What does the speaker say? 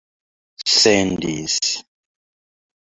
sendis